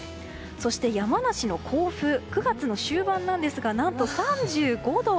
そして、山梨の甲府は９月の終盤ですが何と３５度。